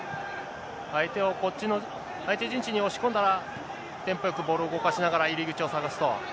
相手をこっちの、相手陣地に押し込んだら、テンポよくボールを動かしながら入り口を探すと。